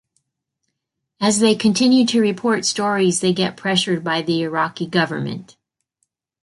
As they continue to report stories, they get pressured by the Iraqi government.